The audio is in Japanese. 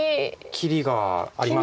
切りがありますから。